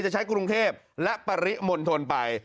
จะใช้กรุงเทพและปริมณฑลไป